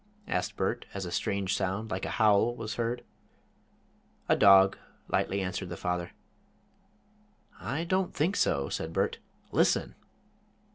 asked Bert, as a strange sound, like a howl, was heard. "A dog," lightly answered the father. "I don't think so," said Bert. "Listen!"